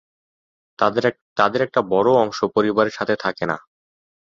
তাদের একটা বড় অংশ পরিবারের সাথে থাকে না।